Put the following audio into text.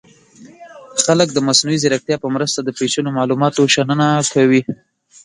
خلک د مصنوعي ځیرکتیا په مرسته د پیچلو معلوماتو شننه کوي.